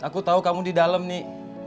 aku tahu kamu di dalam nih